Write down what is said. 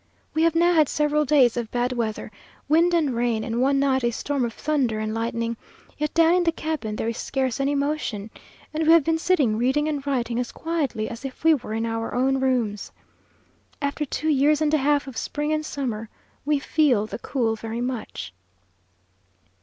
We have now had several days of bad weather; wind and rain; and one night a storm of thunder and lightning; yet down in the cabin there is scarce any motion, and we have been sitting reading and writing as quietly as if we were in our own rooms. After two years and a half of spring and summer, we feel the cool very much.